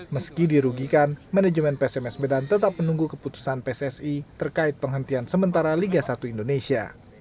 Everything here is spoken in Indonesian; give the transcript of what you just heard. meski dirugikan manajemen psms medan tetap menunggu keputusan pssi terkait penghentian sementara liga satu indonesia